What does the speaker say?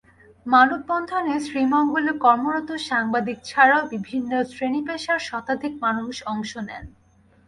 মানববন্ধনে শ্রীমঙ্গলে কর্মরত সাংবাদিক ছাড়াও বিভিন্ন শ্রেণী-পেশার শতাধিক মানুষ অংশ নেন।